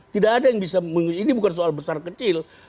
tidak ada yang bisa ini bukan soal besar kecil